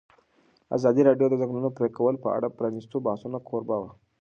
ازادي راډیو د د ځنګلونو پرېکول په اړه د پرانیستو بحثونو کوربه وه.